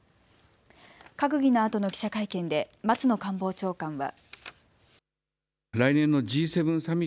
閣議のあとの記者会見で松野官房長官は。